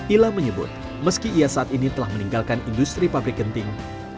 ila menyebut meski ia saat ini telah meninggalkan industri pabrik genting